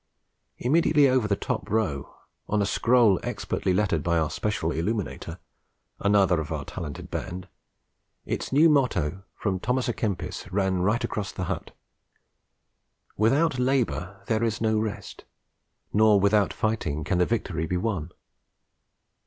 Immediately over the top row, on a scroll expertly lettered by our Special Illuminator (another of our talented band), its own new motto, from Thomas à Kempis, ran right across the hut: _Without Labour there is no Rest; nor without Fighting can the Victory be Won.